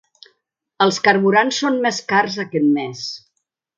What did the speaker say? Els carburants són més cars aquest mes.